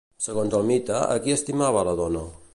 Segons el mite, a qui estimava la dona?